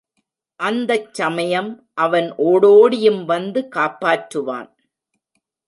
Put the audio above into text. அந்தச் சமயம் அவன் ஓடோடியும் வந்து காப்பாற்றுவான்.